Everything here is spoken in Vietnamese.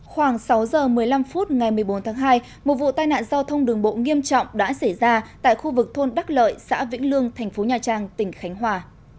khoảng sáu giờ một mươi năm phút ngày một mươi bốn tháng hai một vụ tai nạn giao thông đường bộ nghiêm trọng đã xảy ra tại khu vực thôn đắc lợi xã vĩnh lương thành phố nhà trang tỉnh khánh hòa